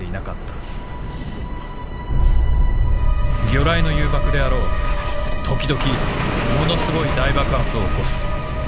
魚雷の誘爆であらう時々物凄い大爆発を起こす。